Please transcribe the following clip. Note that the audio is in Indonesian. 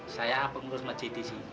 saya pengurus maji disini